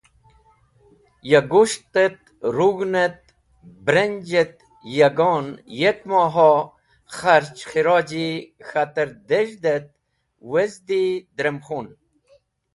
Ya gus̃ht et rug̃hn et brenj et yagon yek moho kharch khiroji k̃hater dez̃hd et wezdi drem ]khun].